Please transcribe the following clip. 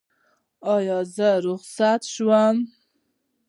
ایا زه رخصت شم؟